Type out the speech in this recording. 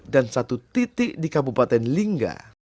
dan satu titik di kabupaten lingga